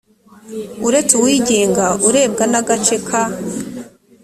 uretse uwigenga urebwa n agace ka